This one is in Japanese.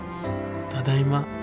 ただいま。